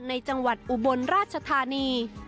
ในจังหวัดอุบลราชธานี